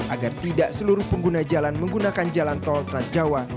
agar tidak seluruh pengguna jalan menggunakan jalan tol transjawa